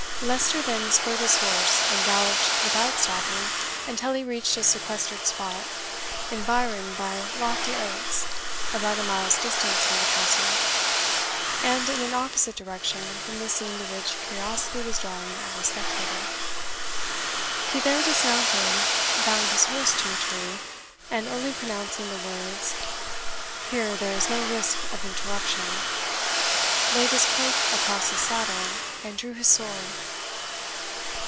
Leicester then spurred his horse, and galloped without stopping until he reached a sequestered spot, environed by lofty oaks, about a mile's distance from the Castle, and in an opposite direction from the scene to which curiosity was drawing every spectator. He there dismounted, bound his horse to a tree, and only pronouncing the words, "Here there is no risk of interruption," laid his cloak across his saddle, and drew his sword.